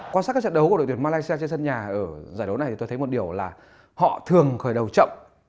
quan sát các trận đấu của đội tuyển malaysia trên sân nhà ở giải đấu này tôi thấy một điều là họ thường khởi đầu chậm